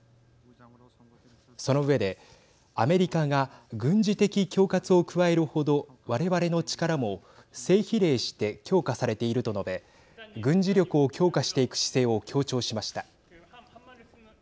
その上で、アメリカが軍事的恐喝を加える程我々の力も正比例して強化されていると述べ軍事力を強化していく姿勢を強調しました。